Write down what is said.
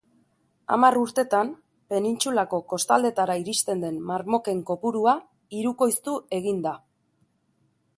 Hamar urtetan penintsulako kostaldetara iristen den marmoken kopurua hirukoiztu egin da.